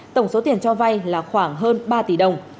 tổng số tiền cho vay là khoảng hơn ba tỷ đồng